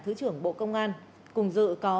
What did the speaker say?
thứ trưởng bộ công an cùng dự có